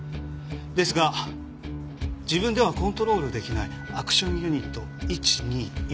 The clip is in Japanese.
ですが自分ではコントロール出来ないアクションユニット１２４。